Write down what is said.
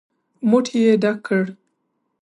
موټ يې ډک کړ.